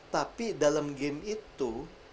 tapi dalam game itu